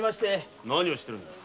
何をしてるんだ？